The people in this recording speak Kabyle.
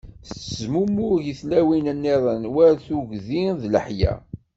Tettezmumug i tlawin-niḍen war tuggdi d leḥya.